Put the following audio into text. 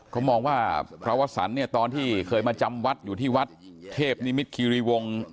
เขามองว่าพระวสันเนี่ยตอนที่เคยมาจำวัดอยู่ที่วัดเทพนิมิตคิริวงศ์